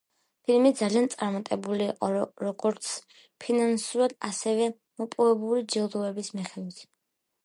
ფილმი ძალიან წარმატებული იყო როგორც ფინანსურად, ასევე მოპოვებული ჯილდოების მიხედვით.